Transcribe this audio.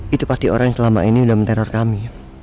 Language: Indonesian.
itu pasti orang yang selama ini udah meneror kami